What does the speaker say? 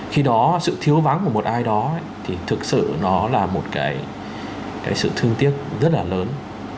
khi đó sự thiếu vắng của một ai đó thì thực sự nó là một cái sự thương tiếc rất là lớn